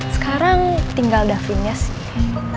sekarang tinggal davinnya sih